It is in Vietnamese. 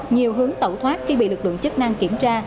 nhiều hướng tẩu thoát khi bị lực lượng chức năng kiểm tra